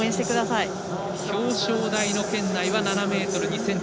表彰台の圏内は７ｍ２ｃｍ。